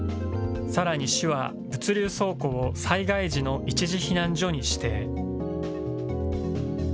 さらに市は、物流倉庫を災害時の一時避難所に指定。